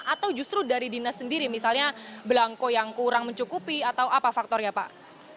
atau justru dari dinas sendiri misalnya belangko yang kurang mencukupi atau apa faktornya pak